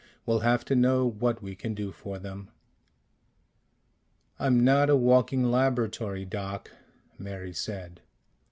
We'll have to know what we can do for them." "I'm not a walking laboratory, Doc," Mary said.